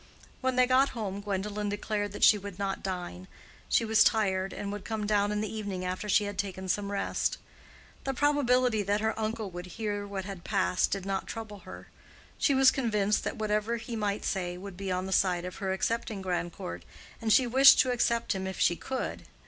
When they got home Gwendolen declared that she would not dine. She was tired, and would come down in the evening after she had taken some rest. The probability that her uncle would hear what had passed did not trouble her. She was convinced that whatever he might say would be on the side of her accepting Grandcourt, and she wished to accept him if she could.